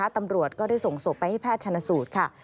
ตำรวจก็ได้ส่งศพไปให้แพทย์ชนสูตรค่ะ